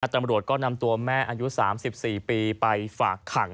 ตำรวจก็นำตัวแม่อายุ๓๔ปีไปฝากขัง